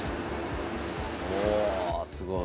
おおすごい。